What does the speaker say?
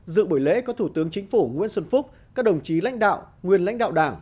dự buổi lễ có thủ tướng chính phủ nguyễn xuân phúc các đồng chí lãnh đạo nguyên lãnh đạo đảng